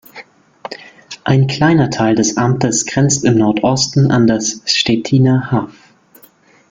Ein kleiner Teil des Amtes grenzt im Nordosten an das Stettiner Haff.